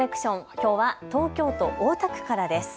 きょうは東京都大田区からです。